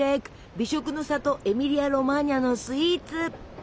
美食のさとエミリア・ロマーニャのスイーツ！